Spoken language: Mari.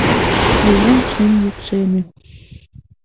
Виян шӱм йӱкшеме.